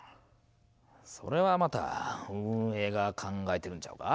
それはまた運営が考えてるんちゃうか。